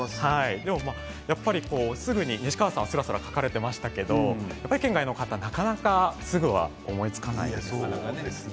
すぐに西川さんはすらすら描かれていましたけれど県外の方は、なかなかすぐには思いつかないですよね。